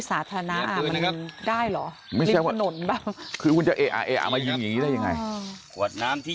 สาธารณะได้หรอคือมันจะเออ่าเออ่ามายิงนี้ได้ยังไงขวดน้ำที่